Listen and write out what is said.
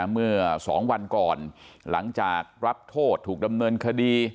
เมื่อ๒วันก่อนหลังจากรับโทษถูกดำเนินคดี